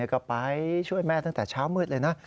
ก็ไปช่วยแม่ตั้งแต่เช้ามืดเลยนะ